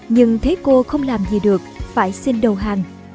nhưng thấy cô không làm gì được phải xin đầu hàng